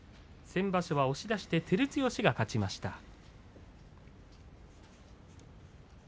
先場所は押し出して照強が勝ちました。